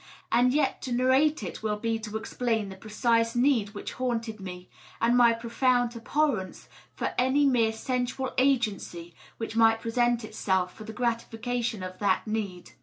And yet to narrate it will be to explain the precise need which haunted me, and my profound abhorrence tor any mere sensual agency which might present itself for the gratification of that need.